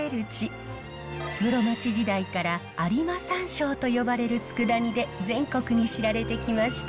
室町時代から有馬さんしょうと呼ばれるつくだ煮で全国に知られてきました。